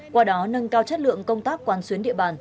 qua đó nâng cao chất lượng công tác quan xuyến địa bàn